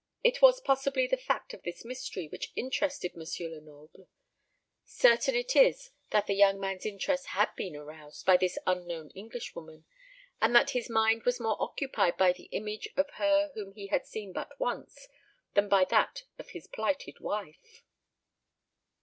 It was possibly the fact of this mystery which interested M. Lenoble. Certain it is that the young man's interest had been aroused by this unknown Englishwoman, and that his mind was more occupied by the image of her whom he had seen but once than by that of his plighted wife.